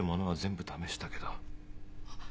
あっ。